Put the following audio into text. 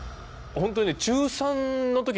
本当にね。